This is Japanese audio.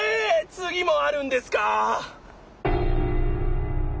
つぎもあるんですか？